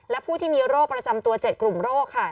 และผู้ที่มีโรคประจำตัว๗กลุ่มโรคค่ะ